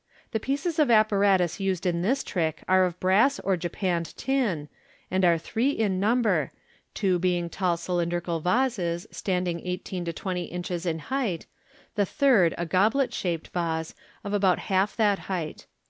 — The pieces of apparatus used in this trick are of brass or japanned tin, and are three in number, two being tall cylindrical vases, stand ing eighteen to twenty inches in height, the third a goblet shaped vase, of about half that height.